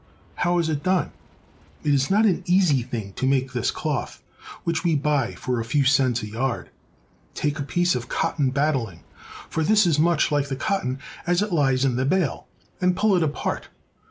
How is it done? It is not an easy thing to make this cloth which we buy for a few cents a yard. Take a piece of cotton batting, for ii6 THE SOUTH. this is much Hke the cotton as it Hes in the bale, and pull it apart.